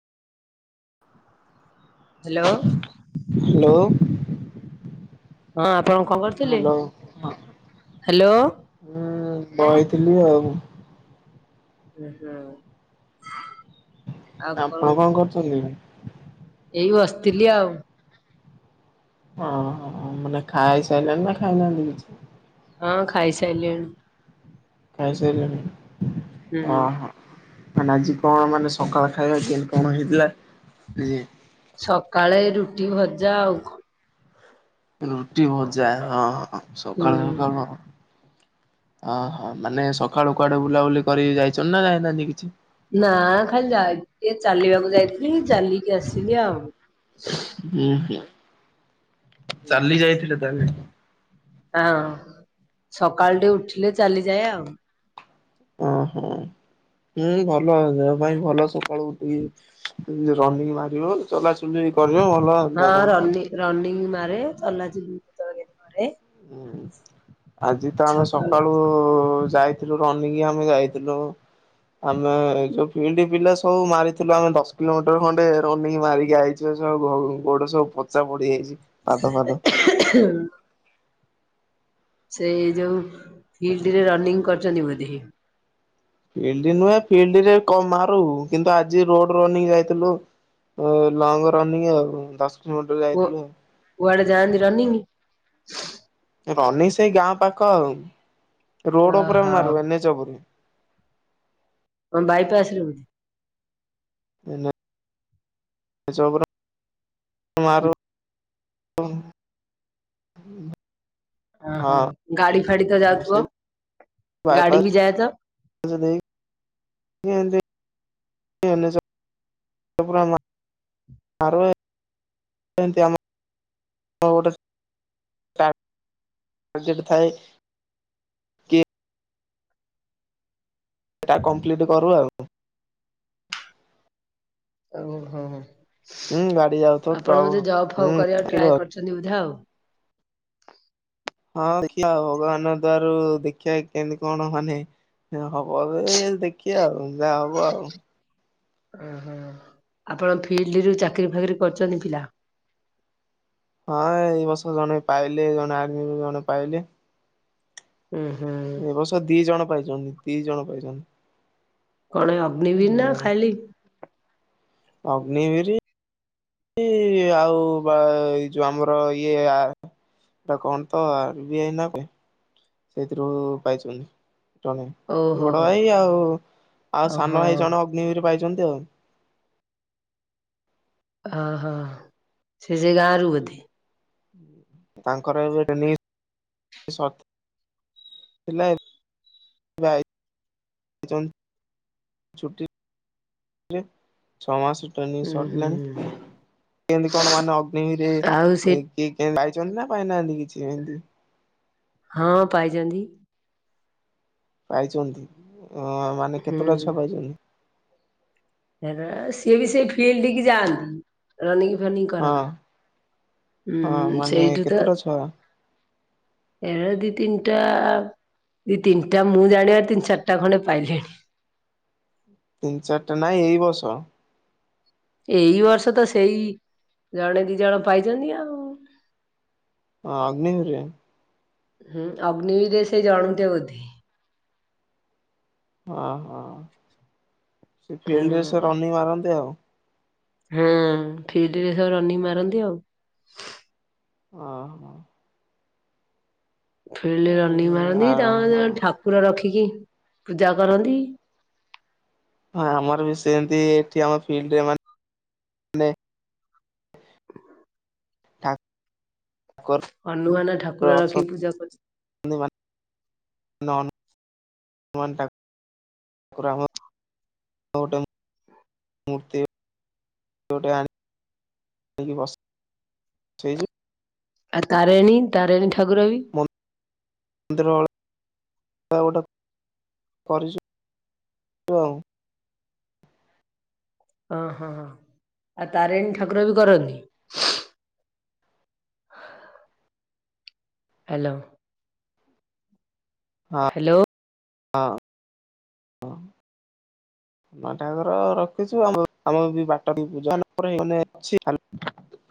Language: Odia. ହ୍ୟାଲୋ! ହ୍ୟାଲୋ ହଁ, ଆପଣ କଣ କରୁଥିଲେ? ହ୍ୟାଲୋ! ହ୍ୟାଲୋ ହୁଁ, ବଇଥିଲି ଆଉ ହୁଁ, ହୁଁ। ଆଉ ଆପଣ କରୁଁ, କଣ କରୁଛନ୍ତି? ଏଇ ବସ୍ ଥିଲିି ଆଉ। ଓହ! ମାନେ ଖାଇ ସାଇଲାଣି ନା ଖାଇନାହାଁନ୍ତି କିଛି? ହଁ, ଖାଇସାଇଲିଣି। ଖାଇସାଇଲିଣି ହୁଁ। ଅ ହଁ। ମାନେ ଆଜି କଣ! ମାନେ ସକାଳ ଖାଇବା କେଁ ତି କଣ ହେଇଥିଲା? ଇଏ ସକାଳେ ରୁଟି ଭଜା ଆଉ କଣ? ରୁଟି, ଭଜା ହଁ, ହୁଁ। ସକାଳୁ ସକାଳୁ ହଁ ଅହଁ! ମାନେ ସକାଳୁ କୁଆଡେ ବୁଲାବୁଲି କରି ଯାଇଚନ୍ ନା ଯାଇନାହଁନ୍ତି କିଛି? ନା, ଖାଲି ଯାଇଥିଲି ଚାଲିବାକୁ, ଯାଇଥିଲି ଚାଲିକି ଆସିଲି ଆଉ। ହୁଁ, ହୁଁ। ଚାଲି ଯାଇଥିଲେ ତାହାଲେ। ହଁ, ସକାଳଟେ ଉଠିଲେ ଚାଲିଯାଏ ଆଉ। ଓ ହୋ! ହୁଁ, ଭଲ ଦେହ ପାଇଁ ଭଲ। ସକାଳୁ ଉିଠିକି ରନିଙ୍ଗ୍ ମାରିବ ଚଲାଚୁଲି କରିବ ଭଲ ହଁ ଦେହ ପାଇଁ ରନି ରନିଙ୍ଗ ମାରେ ତଲାଜ ମରେ ହୁଁ ଆଜି ତ ଆମେ ସକାଳୁ ଯାଇଥିଲୁ ରନିଙ୍ଗ ଆମେ ଯାଇଥିଲୁ ଆମେ ଯୋଉ ଫଡ ପିଲା ସବୁ ମାରିଥିଲୁ ଆମେ ଦଶ କିଲୋମିଟର ଖଣ୍ଡେ ରନିଂ ମାରିକି ଯଇଛ ସବୁ ଘ ଗୋଟେ ସବ ପଚା ପଡିଯାଇଛି ପାଦ ପାଦ ସେ ଯୋଉ ଫିଲ୍ଡରେ ରନିଂ କରିଛନ୍ତି ବୋଧି? ଫିଲ୍ଡ ନୁହେଁ ଫିଲ୍ଡରେ ମାରୁ କିନ୍ତୁ ଆଜି ରୋଡ ରନିଂ ଯାଇଥିଲୁ ଲଙ୍ଗ ରନିଂ ଆଉ ଦଶ କିଲୋମିଟର ଯାଇଥିଲୁ। ଯାନ୍ତି ରନିଂ ଅନି ସେଇ ଗାଁ ପାଖ ଆଉ ରୋଡ ଉପରେ ଓହୋ ମାରିବ ଏନ୍ଚ ଉପରେ ଆ ବାଇପାସରେ ବୋଧେ? [unintelligible] ଜୋବ ତମ ହଁ। ଓହୋ ଗାଡି ଫାଡି ତ ଯାଉଥିବ? ଗାଡି ବାଇପସ୍ ବି ଯାଏ ତ [unintelligible] [unintelligible] ଆ ଆମ ଥାଏ [unintelligible] କି ସେଟା କମ୍ପ୍ଲିଟ କରୁ ଆଉ। ଓ ହୋ ହୋ। ହୁଁ ଗାଡି ଯାଉଥିବ ଆପଣ ଟ୍ରକ ବୋତେ ଜବ୍ ହୁଁ ହଁ ଫବ୍ କରିବାକୁ ଟ୍ରାଏ କରିୁଛନ୍ତି, ବୁଝା ଆଉ ହଁ ଦେଖିବା ଭଗବାନ ଦଵ ର ଦେଖିବା କେମିତି କଣ ମାନେ ହବ ଏ ଦେଖି ଆଉ ଯାହା ହବ ଆଉ। ଓହୋ ଆପଣ ଫିଲ୍ଡ ରୁ ଚାକିରି ଫାକିରି କରୁଛନ୍ତି ପିଲା? ହଁ ଏଇ ବର୍ଷ ଜଣେ ପାଇଲେ ଜଣେ ଆର୍ମି ଜଣେ ପାଇଲେ ହୁଁ ହୁଁ। ଏ ବର୍ଷ ଦି ଜଣ ପାଇଛନ୍ତି, ଦି ଜଣ ପାଇଛନ୍ତି। କଣ ଅଗ୍ନିବ ହୁଁ ନା ଖାଲି ଅଗ୍ନିିବିରି ଆଉ ବା ଏଇ ଯୋଉ ଆମର ଇଏ ଏଟା କଣ ତ ଆ ବି ପାଇଁ ସେଇଥିରୁ ପାଇଛନ୍ତି ଜଣେ ଓହୋ ବଡ ଭାଇ ଆଉ, ଆଉ ଓହୋ। ସାନ ଭାଇ ଜଣେ ଅଗ୍ନି ବି ପାଇଛନ୍ତି ଆଉ। ହ ହଁ ସେ ଜାଗା ସରୁ ବଧି ତାଙ୍କର ଏବେ ହେଲା [unintelligible] ଛୁଟି ଛଅ ମାସ ହୁଁ ସରିଲାଣି ହୁଁ। କେମତି କଣ ମାନେ ଅଗ୍ନିରେ ଆଉ ସେ କି ଚନା ପାଇନାହାନ୍ତି କିଛି ଏମତି? ହଁ ପାଇଛନ୍ତି। ପାଇଛନ୍ତି ଅ ମାନେ ହୁଁ। କେତେଟା ଛୁଆ ପାଇଛନ୍ତି? ସିଏ ବି ସେ ଫିଲ୍ଡ ଯାଆନ୍ତି ରନି ହଁ କରନ୍ତି ହଁ ମାନେ ସେଇଠି ତ କେତୁଟା ଛୁଆ? ଏଳଦିତିନ ଟା ଦ ତିନିଟା ମୁଁ ଜାଣିବାର ତିନି ଚାରିଟା ଖଣ୍ଡେ ପାଇଲେଣି। ତିନି ଚାରିଟା ନାଇଁ ଏଇ ବଷ? ଏଇ ବର୍ଷ ତ ସେଇ ଜଣେ ଦି ଜଣ ପାଇଛନ୍ତି ଆଉ। ହଁ ଅଗ୍ନିହର? ହୁଁ ଅଗ୍ନ ବିରେ ସେ ଜଣୁନ୍ତେ ବୋଧି [unintelligible] ହଁ ହଁ ସେ ହୁଁ। ଫିଲ୍ଡରେ ସେ ରନି ମାରନ୍ତି ଆଉ ହଁ ଫିଲ୍ଡ ରେ ସବ ରନିଂ ମାରନ୍ତି ଆଉ ଓ ହୋ ଫିଲ୍ଡରେ ରନି ମାରନ୍ତି, ତାଙ୍କର ଆ ଜଣେ ଠାକୁର ରଖି [unintelligible] କି ପୂଜା କରନ୍ତି। ହଁ ଆମର ବି ସେମତି ଏଠି ଆମ ଫିଲ୍ଡରେ ମାନେ ତା [unintelligible] [unintelligible] ହନୁମାନ ଠାକୁର ରଖିକି ପୂଜା କରନ୍ତି। ାକୁଠାକୁହମଟ [unintelligible] ମତିଟେ ଆଣି [unintelligible] ବ ସେଇ [unintelligible] ଆ ତାରେଣୀ, ତାରେଣୀ ଠାକୁର ବି ମୁ ମନ୍ଦର [unintelligible] ଗୋଟ କରି [unintelligible] ଓ ହଁ, ଆଉ ତାରିଣୀ ଠାକୁର ବି କରନ୍ତି? ହାଲୋ ହାଲୋ ହଁ ହଁ। ହ [unintelligible] ଠାକର ରଖିଛୁ ଆମ [unintelligible] ବି ବାଟ ଅ